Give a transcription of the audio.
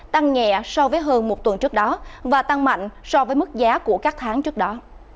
tăng nhẹ so với hơn một tuần trước đó và tăng mạnh so với mức giá của các tháng trước đó